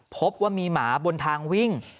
พบว่ามีหมาบนทางวิ่ง